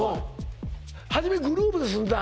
初めグループで住んでた？